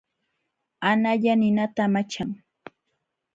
Analla ninata amachan.